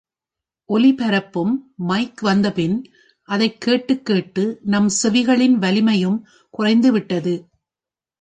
ஒலி பரப்பும் மைக் வந்தபின் அதைக் கேட்டுக் கேட்டு, நம் செவிகளின் வலிமையும் குறைந்து விட்டது.